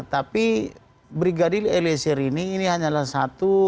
tapi brigadir eliezer ini ini hanyalah satu